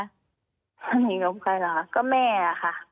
สนิทกับใครเหรอคะก็แม่ค่ะ